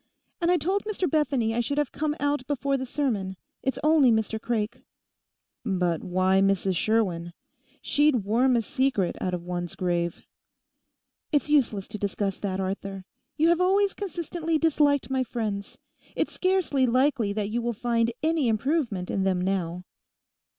And I told Mr Bethany I should have to come out before the sermon: it's only Mr Craik.' 'But why Mrs Sherwin? She'd worm a secret out of one's grave.' 'It's useless to discuss that, Arthur; you have always consistently disliked my friends. It's scarcely likely that you would find any improvement in them now.